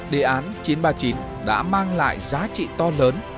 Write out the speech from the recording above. đề án chín trăm ba mươi chín đã mang lại giá trị to lớn